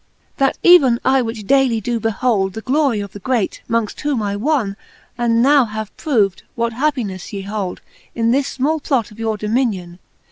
XXVIII. That even I, which daily doe behold The glorie of the great, mongft whom I won. And now have prov'd, what happinefTe ye hold In this fmall plot of your dominion.